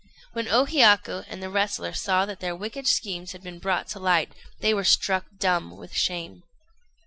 When O Hiyaku and the wrestler saw that their wicked schemes had been brought to light, they were struck dumb with shame.